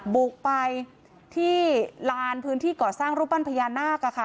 บุกไปที่ลานพื้นที่ก่อสร้างรูปปั้นพญานาค